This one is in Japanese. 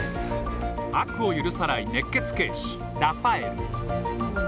悪を許さない熱血警視ラファエル。